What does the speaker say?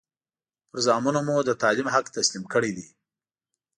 پر زامنو مو د تعلیم حق تسلیم کړی دی.